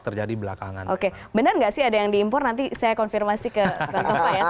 terjadi belakangan oke bener enggak sih ada yang di impor nanti saya konfirmasi ke belovedarmisya